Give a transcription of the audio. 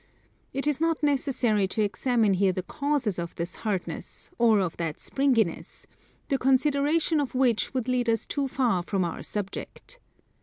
It is not necessary to examine here the causes of this hardness, or of that springiness, the consideration of which would lead us too far from our subject.